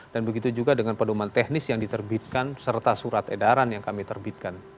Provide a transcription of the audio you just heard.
dan begitu juga dengan perdoman teknis yang diterbitkan serta surat edaran yang kami terbitkan